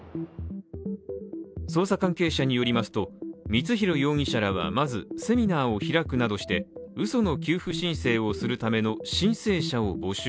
捜査関係者によりますと、光弘容疑者らはまずセミナーを開くなどしてうその給付申請をするための申請者を募集。